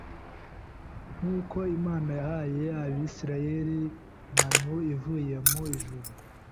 Nk’uko Imana yahaye Abisiraheli manu ivuye mu ijuru